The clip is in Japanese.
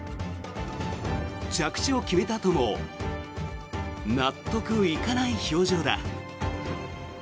着地を決めたあとも納得いかない表情だ。